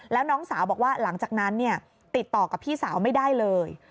แล้วน้องสาวบอกว่าหลังจากนั้นติดต่อกับพี่สาวไม่ได้เลย